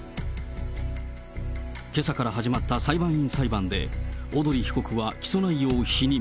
けさから始まった裁判員裁判で、小鳥被告は起訴内容を否認。